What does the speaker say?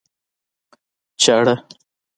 چاړه